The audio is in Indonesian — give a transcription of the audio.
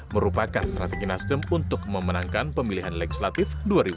merupakan strategi nasdem untuk memenangkan pemilihan legislatif dua ribu sembilan belas